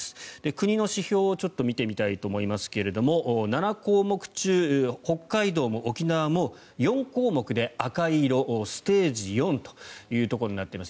国の指標をちょっと見てみたいと思いますが７項目中、北海道も沖縄も４項目で赤い色、ステージ４というところになっています。